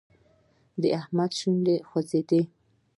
د حميد شونډې وخوځېدې.